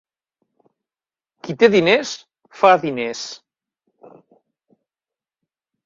Qui té diners, fa diners.